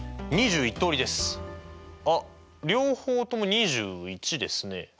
あっ両方とも２１ですね。